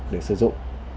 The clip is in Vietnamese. để sử dụng